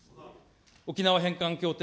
沖縄返還協定